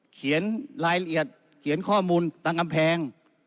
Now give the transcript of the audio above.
เขียนรายละเอียดเขียนข้อมูลตามกำแพง